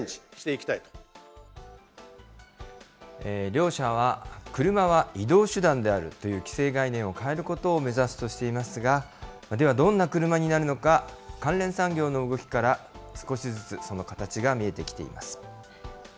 両社は、車は移動手段であるという既成概念を変えることを目指すとしていますが、では、どんな車になるのか、関連産業の動きから、少しずつその形が見えてきています。